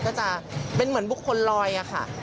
ก็จะเป็นเหมือนบุคคลรอย